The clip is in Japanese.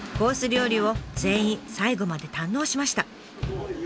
料理を全員最後まで堪能しました。